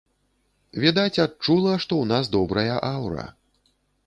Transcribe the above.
Відаць, адчула, што ў нас добрая аўра.